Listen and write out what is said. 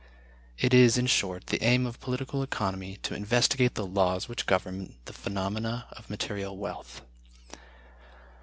It is, in short, the aim of political economy to investigate the laws which govern the phenomena of material wealth.